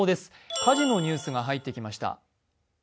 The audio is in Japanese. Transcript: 火事ニュースが入ってきました。